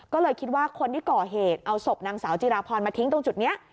ก็เลยคิดว่าคนที่ก่อเหตุเอาศพนางสาวจิราพรมาทิ้งตรงจุดนี้